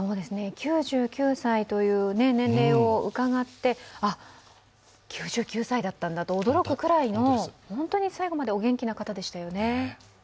９９歳という年齢を伺って、あっ９９歳だったんだと驚くくらいの本当に最後までお元気な方でしたよね。